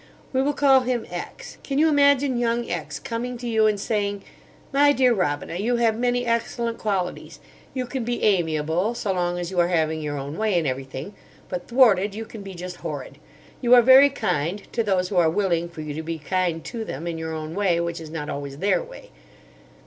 "We will call him X. Can you imagine young X coming to you and saying: 'My dear Robina, you have many excellent qualities. You can be amiable—so long as you are having your own way in everything; but thwarted you can be just horrid. You are very kind—to those who are willing for you to be kind to them in your own way, which is not always their way.